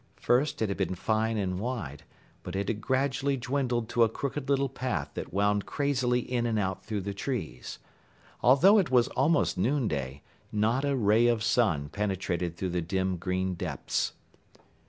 First it had been fine and wide, but it had gradually dwindled to a crooked little path that wound crazily in and out through the trees. Although it was almost noonday, not a ray of sun penetrated through the dim green depths.